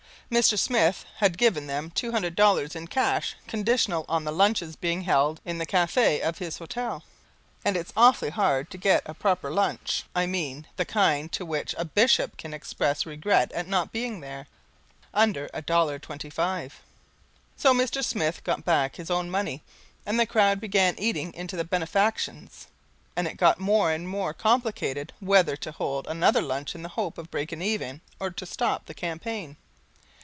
Mr. Smith had given them two hundred dollars in cash conditional on the lunches being held in the caff of his hotel; and it's awfully hard to get a proper lunch I mean the kind to which a Bishop can express regret at not being there under a dollar twenty five. So Mr. Smith got back his own money, and the crowd began eating into the benefactions, and it got more and more complicated whether to hold another lunch in the hope of breaking even, or to stop the campaign.